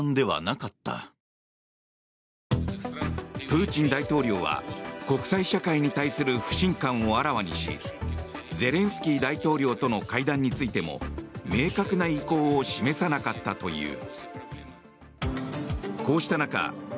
プーチン大統領は国際社会に対する不信感をあらわにしゼレンスキー大統領との会談についても明確な意向を示さなかったという。